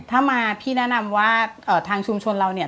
ถ้ามาพี่แนะนำว่าทางชุมชนเราเนี่ย